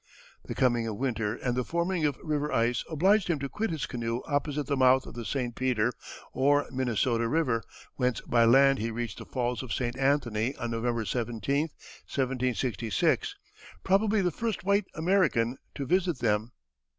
The coming of winter and the forming of river ice obliged him to quit his canoe opposite the mouth of the St. Peter, or Minnesota River, whence by land he reached the Falls of St. Anthony on November 17, 1766, probably the first white American to visit them.